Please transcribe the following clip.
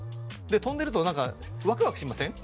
跳んでるとなんかワクワクしません？